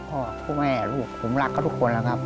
พ่อแม่ลูกผมรักเขาทุกคนแล้วครับ